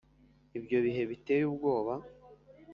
Ibyo bihe biteye ubwoba